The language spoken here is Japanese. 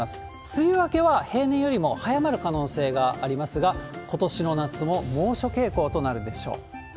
梅雨明けは平年よりも早まる可能性がありますが、ことしの夏も猛暑傾向となるでしょう。